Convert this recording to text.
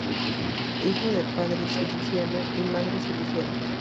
Hija de padre siciliano y madre siciliana.